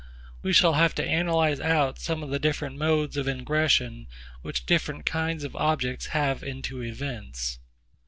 We shall have to analyse out some of the different modes of ingression which different kinds of objects have into events.